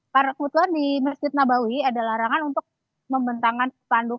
karena kebetulan di masjid ngabawi ada larangan untuk membentangkan sepanduk